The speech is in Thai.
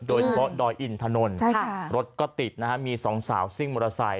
โดยดอยอิ่นถนนรถก็ติดนะครับมีสองสาวซิ่งมอเตอร์ไซส์